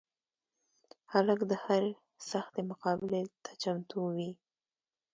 هلک د هر سختي مقابلې ته چمتو وي.